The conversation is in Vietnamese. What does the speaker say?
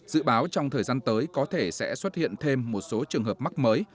dự báo trong thời gian tới có thể sẽ xuất hiện thêm một số trường hợp mắc mới